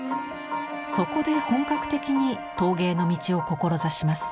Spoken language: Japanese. そこで本格的に陶芸の道を志します。